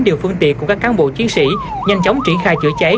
điều phương tiện của các cán bộ chiến sĩ nhanh chóng triển khai chữa cháy